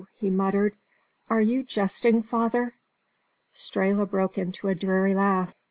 he muttered. "You are jesting, father?" Strehla broke into a dreary laugh.